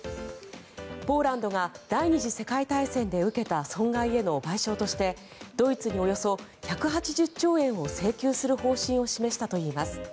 ポーランドが第２次世界大戦で受けた損害への賠償としてドイツにおよそ１８０兆円を請求する方針を示したといいます。